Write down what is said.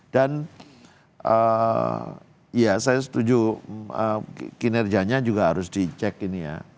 dan ya saya setuju kinerjanya juga harus dicek ini ya